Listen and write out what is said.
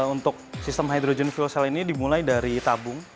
untuk sistem hidrogen fuel cell ini dimulai dari tabung